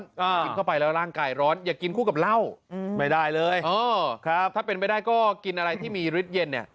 อ่ากินเข้าไปแล้วร่างกายร้อนอย่ากินคู่กับเหล้าอืมไม่ได้เลยเออครับถ้าเป็นไปได้ก็กินอะไรที่มีฤทธิเย็นเนี่ย